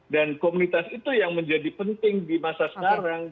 dan komunitas itu yang menjadi penting di masa sekarang